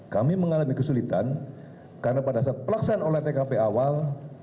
kami mengalami kesulitan karena pada saat pelaksanaan oleh tkp awal